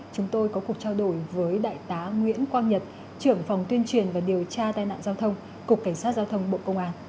chúng tôi có cuộc trao đổi với đại tá nguyễn quang nhật trưởng phòng tuyên truyền và điều tra tai nạn giao thông cục cảnh sát giao thông bộ công an